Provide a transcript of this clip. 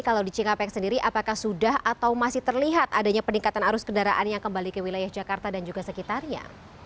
kalau di cikampek sendiri apakah sudah atau masih terlihat adanya peningkatan arus kendaraan yang kembali ke wilayah jakarta dan juga sekitarnya